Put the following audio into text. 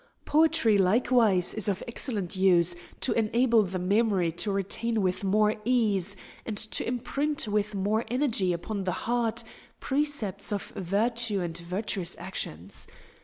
Poetry likewise is of excellent use to enable the memory to retain with more ease, and to imprint with more energy upon the heart, precepts of virtue and virtuous actions.